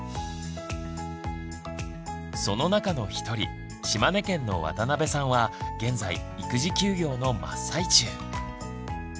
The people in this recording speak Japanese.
その中の一人島根県の渡邊さんは現在育児休業の真っ最中。